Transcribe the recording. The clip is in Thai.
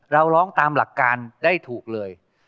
เราร้องตามหลักการได้ถูกเลย